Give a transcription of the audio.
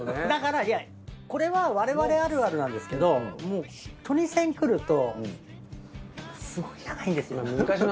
だからいやこれは我々あるあるなんですけどもうトニセン来るとすごいじゃないですか。